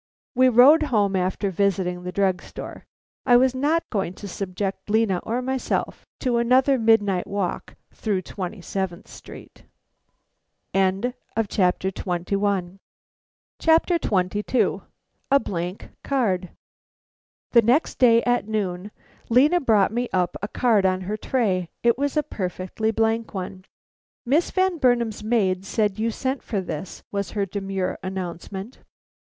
We rode home after visiting the drug store. I was not going to subject Lena or myself to another midnight walk through Twenty seventh Street. FOOTNOTES: [Footnote C: This was so probable, it cannot be considered an untruth. A. B.] XXII. A BLANK CARD. The next day at noon Lena brought me up a card on her tray. It was a perfectly blank one. "Miss Van Burnam's maid said you sent for this," was her demure announcement.